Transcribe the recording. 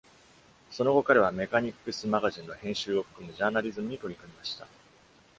その後、彼は「メカニックス・マガジン」の編集を含むジャーナリズムに取り組みました。